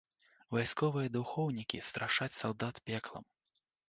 Вайсковыя духоўнікі страшаць салдат пеклам.